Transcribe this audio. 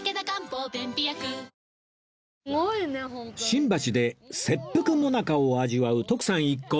新橋で切腹最中を味わう徳さん一行